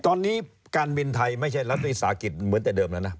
ตอนนี้การบินไทยไม่ใช่ลักษณ์ศาสตร์ศักดิ์เหมือนแต่เดิมแล้วนะ